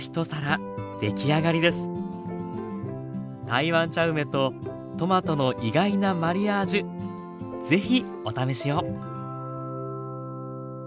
台湾茶梅とトマトの意外なマリアージュ是非お試しを。